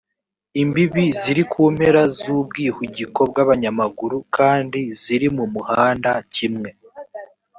imbibi ziri ku mpera z ubwihugiko bw abanyamaguru kandi ziri mu muhanda kimwe